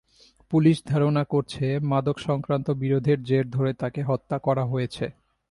Police ধারণা করছে, মাদকসংক্রান্ত বিরোধের জের ধরে তাকে হত্যা করা হয়েছে।